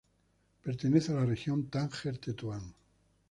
Pertenece a la región Tánger-Tetuán.